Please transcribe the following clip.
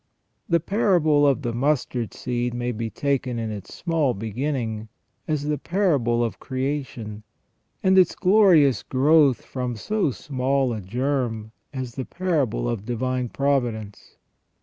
The parable of the mustard seed may be taken in its small beginning as the parable of creation, and its glorious growth from so small a germ as the parable of divine providence.